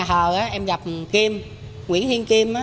ở chỗ nhà thờ em gặp kim nguyễn thiên kim